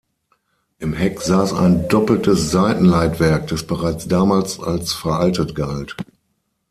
Im Heck saß ein doppeltes Seitenleitwerk, das bereits damals als veraltet galt.